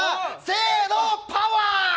せーの、パワー！